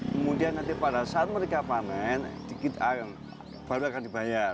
kemudian nanti pada saat mereka panen baru akan dibayar